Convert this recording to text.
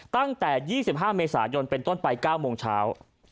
ตั้งแต่๒๕เมษายนเป็นต้นไป๙โมงเช้า